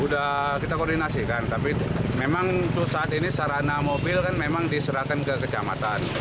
sudah kita koordinasikan tapi memang untuk saat ini sarana mobil kan memang diserahkan ke kecamatan